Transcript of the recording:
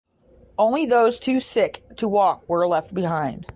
Only those too sick to walk were left behind.